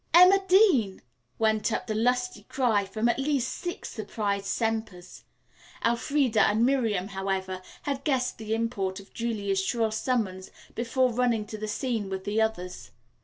"Emma Dean!" went up the lusty cry from at least six surprised Sempers. Elfreda and Miriam, however, had guessed the import of Julia's shrill summons before running to the scene with the others.